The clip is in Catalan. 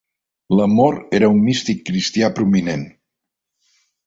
L'amor era un místic cristià prominent.